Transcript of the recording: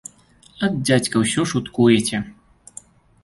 Ат, дзядзька, усё шуткуеце!